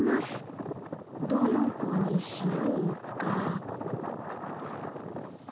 どの子にしようか。